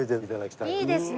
いいですね。